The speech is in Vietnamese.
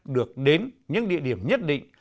được đến những địa điểm nhất định